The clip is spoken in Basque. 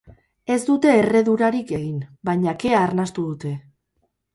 Ez dute erredurarik egin, baina kea arnastu dute.